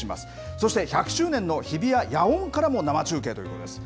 そして、１００周年の日比谷野音からも生中継ということです。